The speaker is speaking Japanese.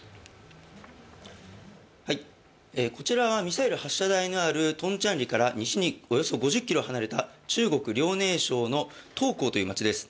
こちらはミサイル発射台があるトンチャンリから西におよそ５０ｋｍ離れた中国の中朝という場所です。